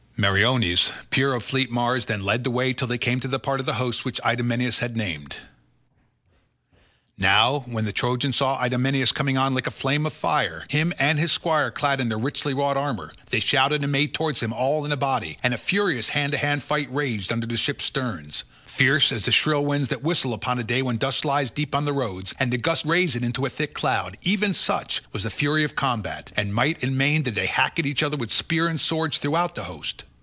Meriones, peer of fleet Mars, then led the way till they came to the part of the host which Idomeneus had named. Now when the Trojans saw Idomeneus coming on like a flame of fire, him and his squire clad in their richly wrought armour, they shouted and made towards him all in a body, and a furious hand to hand fight raged under the ships' sterns. Fierce as the shrill winds that whistle upon a day when dust lies deep on the roads, and the gusts raise it into a thick cloud—even such was the fury of the combat, and might and main did they hack at each other with spear and sword throughout the host.